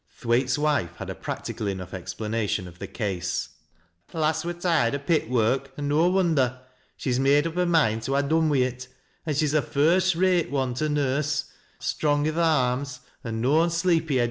Thwaite'* wife had a practical enough explanation of the case. "Th' lass wur tired o' pit work ; an' no wonder. Siio'. maoe up her moind to ha' done wi' it ; an' she's a iirst j'slc )ne to nurse, — strong i' the arms, an' noan sleepy lieade*!